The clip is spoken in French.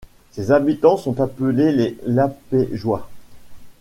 Ses habitants sont appelés les Lapégeois.